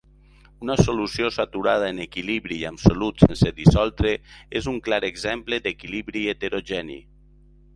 Una solució saturada en equilibri amb solut sense dissoldre, és un clar exemple d'equilibri heterogeni.